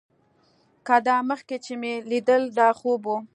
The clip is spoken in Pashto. که دا مخکې چې مې ليدل دا خوب و.